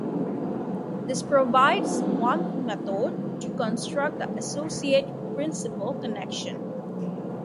This provides one method to construct the associated principal connection.